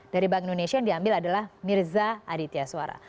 dari bank indonesia yang diambil adalah mirza aditya suara